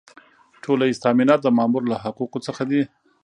ټولیز تامینات د مامور له حقوقو څخه دي.